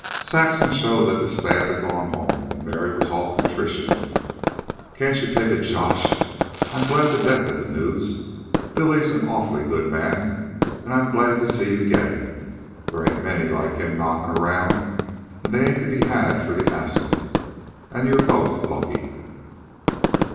Saxon showed that the stab had gone home, and Mary was all contrition. "Can't you take a josh? I'm glad to death at the news. Billy's a awful good man, and I'm glad to see you get him. There ain't many like him knockin' 'round, an' they ain't to be had for the askin'. An' you're both lucky.